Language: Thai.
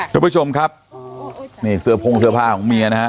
ทุกผู้ชมครับนี่เสื้อพงเสื้อผ้าของเมียนะฮะ